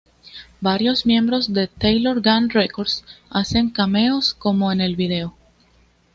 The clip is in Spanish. Varios miembros de Taylor Gang Records hacen cameos como en el video.